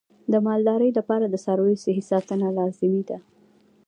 د مالدارۍ لپاره د څارویو صحي ساتنه لازمي ده.